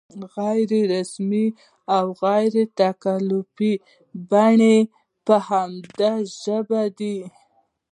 غیر رسمي او غیر تکلفي بڼه یې په همدې ژبه ده.